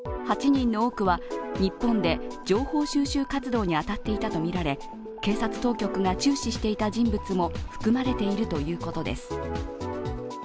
８人の多くは日本で情報収集活動に当たっていたとみられ、警察当局が注視していた人物も含まれているということです。